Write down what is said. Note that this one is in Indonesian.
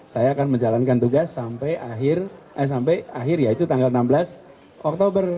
saya akan menjalankan tugas sampai akhir yaitu tanggal enam belas oktober